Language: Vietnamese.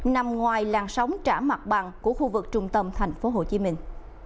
nằm ngoài làng sóng trả mặt bằng của khu vực trung tâm thành phố hồ chí minh